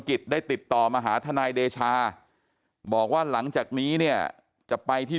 กิจได้ติดต่อมาหาทนายเดชาบอกว่าหลังจากนี้เนี่ยจะไปที่